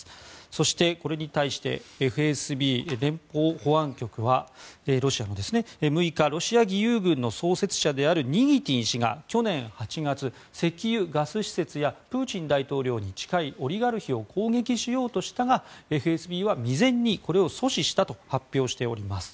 そして、これに対してＦＳＢ・連邦保安局は６日ロシア義勇軍の創設者であるニギティン氏が去年８月、石油・ガス施設やプーチン大統領に近いオリガルヒを攻撃しようとしたがＦＳＢは未然にこれを阻止したと発表しています。